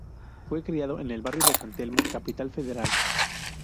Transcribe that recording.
Fue criado en el barrio de San Telmo, Capital Federal.